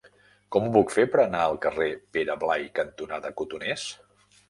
Com ho puc fer per anar al carrer Pere Blai cantonada Cotoners?